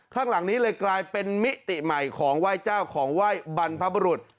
ข้างหลังนี้เลยกลายเป็นมิติใหม่ของไหว้เจ้าของไหว้บรรพบรุษ